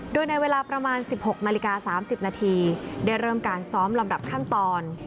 โดยในเวลาประมาณ๑๖นาฬิกา๓๐นาทีได้เริ่มการซ้อมลำดับขั้นตอน